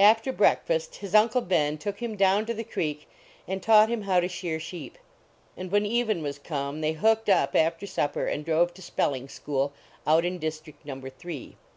After breakfast his Uncle Ben took him down to the creek and taught him how to shear sheep. And when even was come, they hooked up after supper and drove to spelling school, out in district number three.